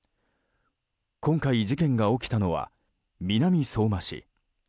今回、事件が起きたのは南相馬市。